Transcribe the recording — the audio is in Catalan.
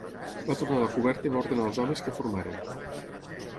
Va tornar a la coberta i va ordenar als homes que formaren.